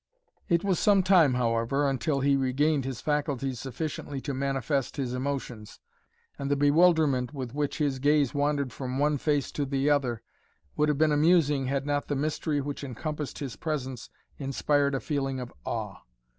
It was some time, however, until he regained his faculties sufficiently to manifest his emotions, and the bewilderment with which his gaze wandered from one face to the other, would have been amusing had not the mystery which encompassed his presence inspired a feeling of awe.